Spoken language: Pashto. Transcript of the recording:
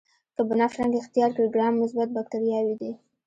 که بنفش رنګ اختیار کړي ګرام مثبت باکتریاوې دي.